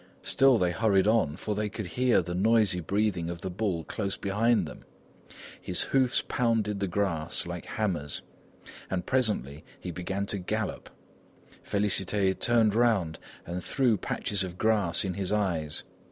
Still they hurried on, for they could hear the noisy breathing of the bull close behind them. His hoofs pounded the grass like hammers, and presently he began to gallop! Félicité turned around and threw patches of grass in his eyes.